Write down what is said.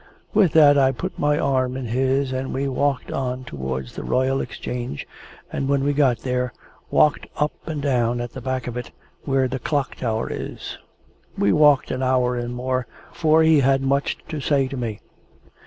With that I put my arm in his, and we walked on towards the Royal Exchange, and when we got there, walked up and down at the back of it where the Clock Tower is. We walked an hour and more, for he had much to say to me.